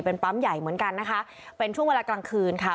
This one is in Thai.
เป็นปั๊มใหญ่เหมือนกันนะคะเป็นช่วงเวลากลางคืนค่ะ